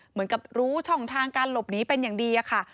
เหมือนกับรู้ช่องทางการหลบหนีเป็นอย่างดีอะค่ะ